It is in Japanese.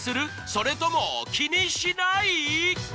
それとも気にしない？